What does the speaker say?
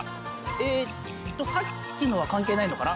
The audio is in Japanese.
えっとさっきのは関係ないのかな？